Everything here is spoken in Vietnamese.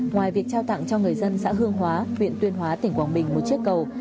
ngoài việc trao tặng cho người dân xã hương hóa huyện tuyên hóa tỉnh quảng bình một chiếc cầu